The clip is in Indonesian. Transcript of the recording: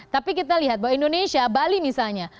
tapi kita lihat bahwa indonesia bali misalnya